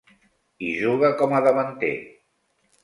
Hi juga com a davanter.